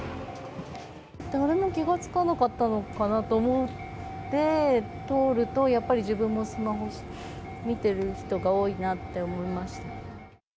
誰も気がつかなかったのかなと思って通ると、やっぱり自分も、スマホ見てる人が多いなって思いました。